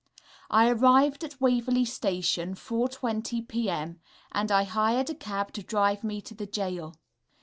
I arrived at Waverley Station 4 20 p.m., and I hired a cab to drive me to the gaol.